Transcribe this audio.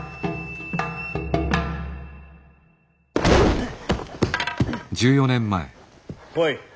うっ！